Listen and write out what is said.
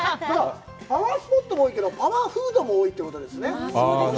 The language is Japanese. パワースポットも多いけどパワーフードも多いんだよね。